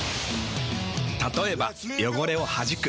たとえば汚れをはじく。